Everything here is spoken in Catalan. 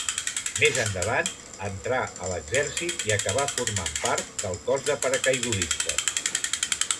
Més endavant entrà a l'exèrcit i acabà formant part del cos de paracaigudistes.